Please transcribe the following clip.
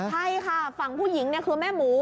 ใช่ค่ะฝั่งผู้หญิงคือแม่หมู